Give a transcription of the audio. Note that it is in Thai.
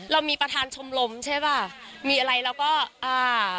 เรามีประธานชมรมใช่ป่ะมีอะไรเราก็อ่า